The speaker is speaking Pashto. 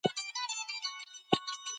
ایا آنلاین کتابتونونه ستا په سیمه کې کار کوي؟